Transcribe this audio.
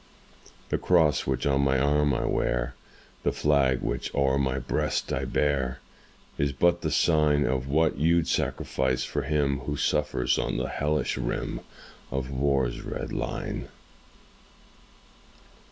The cross which on my arm I wear, The flag which o'er my breast I bear, Is but the sign Of what you 'd sacrifice for him Who suffers on the hellish rim Of war's red line.